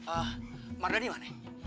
ah mardani mana